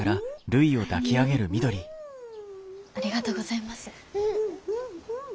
ありがとうございます。